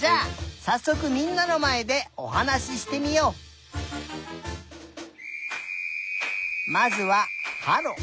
じゃあさっそくみんなのまえでおはなししてみよう。まずははろ。